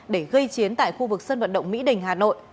để gây chiến tại khu vực sân vận động mỹ đình hà nội